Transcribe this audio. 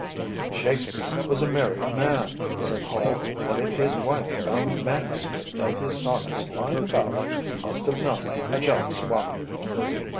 "Shakespeare was a married man," said Hall, "and if his wife found the MSS. of his sonnets lying about he must have known a jealous woman."